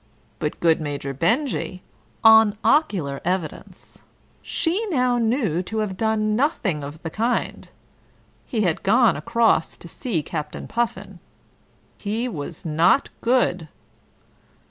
But good Major Benjy, on ocular evidence, she now knew to have done nothing of the kind: he had gone across to see Captain Puffin. ... He was not good.